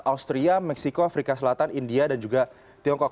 austria meksiko afrika selatan india dan juga tiongkok